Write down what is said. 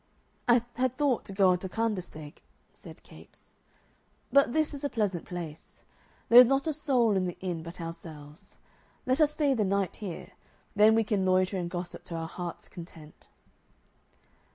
"I had thought to go on to Kandersteg," said Capes, "but this is a pleasant place. There is not a soul in the inn but ourselves. Let us stay the night here. Then we can loiter and gossip to our heart's content."